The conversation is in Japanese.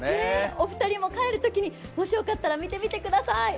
お二人も帰るときにもし良かったら見てみてください。